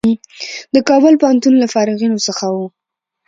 د کابل پوهنتون له فارغینو څخه و.